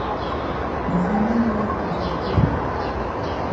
ماښامنۍ یې جوړه کړې وه.